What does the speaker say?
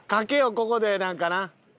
ここでなんかな。